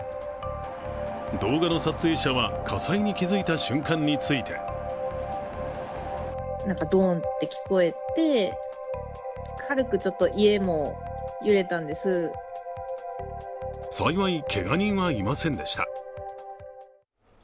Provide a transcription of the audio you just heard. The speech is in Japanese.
動画の撮影者は火災に気付いた瞬間について幸いけが人はいませんでした。